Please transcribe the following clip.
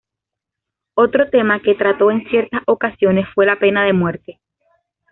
Otro tema que trató en ciertas ocasiones fue la pena de muerte.